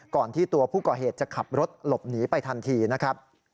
ก่อนที่ตัวผู้ก่อเหตุจะขับรถหลบหนีไปทันทีนะครับ